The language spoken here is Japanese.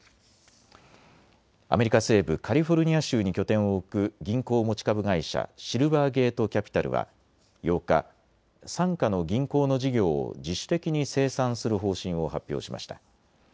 アメリカ西部カリフォルニア州に拠点を置く銀行持ち株会社、シルバーゲート・キャピタルは８日、傘下の銀行の事業を自主的に清算する方針を発表しました。